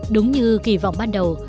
đúng như kỳ vọng ban đầu